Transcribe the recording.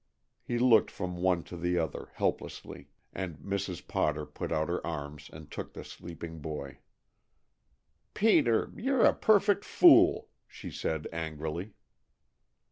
He looked from one to the other helplessly and Mrs. Potter put out her arms and took the sleeping boy. "Peter, you're a perfect fool!" she said angrily.